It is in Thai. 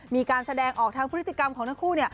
มีการแสดงออกทางพฤติกรรมของทั้งคู่